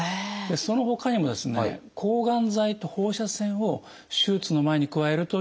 そのほかにもですね抗がん剤と放射線を手術の前に加えるという方法もあります。